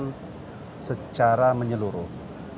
kita terjemahkan secara menyeluruh